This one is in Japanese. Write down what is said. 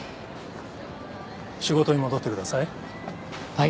仕事に戻ってください。